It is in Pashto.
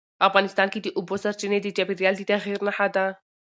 افغانستان کې د اوبو سرچینې د چاپېریال د تغیر نښه ده.